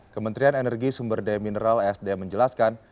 kementerian energi sumber demineral esd menjelaskan